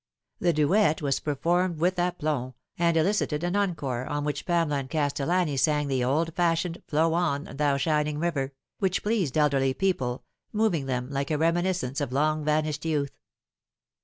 The duet was performed with aplomb, and elicited an encore, on which Pamela and Castellani sang the old fashioned " Flow on, thou shining river," which pleased elderly people, moving them like a reminiscence of long vanished youth.